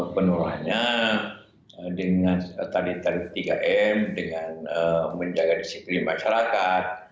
penularannya dengan tarif tiga m dengan menjaga disiplin masyarakat